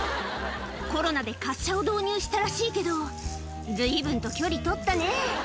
コロナで滑車を導入したらしいけど随分と距離取ったね